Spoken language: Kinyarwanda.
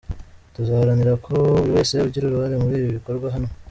Tuzaharanira ko buri wese ugira uruhare muri ibi bikorwa ahanwa.